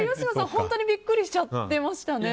本当にビックリしちゃってましたね。